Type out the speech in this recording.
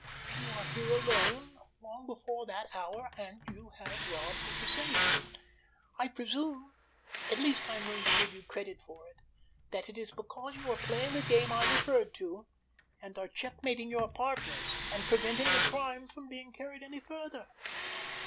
You are here alone long before that hour, and you have robbed the safe. I presume, at least I am going to give you credit for it, that it is because you are playing the game I referred to, and are checkmating your partners, and preventing the crime from being carried any further."